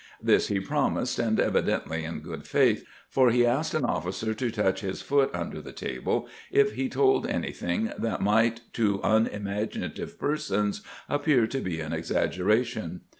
This he promised, and evidently in good faith ; for he asked an officer to touch his foot under the table if he told any thing that might to unimaginative persons appear to be an exaggeration.